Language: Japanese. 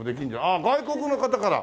あっ外国の方から！